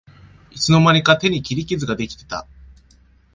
いつの間にか手に切り傷ができてた